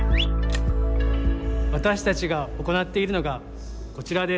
私たちが行っているのがこちらです。